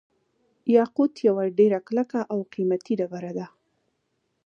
یاقوت یوه ډیره کلکه او قیمتي ډبره ده.